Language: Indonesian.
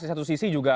di satu sisi juga